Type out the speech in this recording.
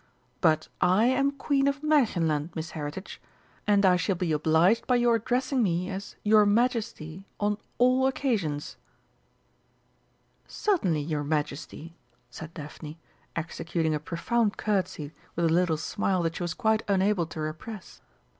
But I am Queen of Märchenland, Miss Heritage, and I shall be obliged by your addressing me as 'Your Majesty' on all occasions." "Certainly, your Majesty," said Daphne, executing a profound curtsey with a little smile that she was quite unable to repress.